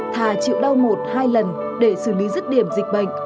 thà chịu đau một hai lần để xử lý rứt điểm dịch bệnh